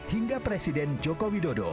hingga presiden joko widodo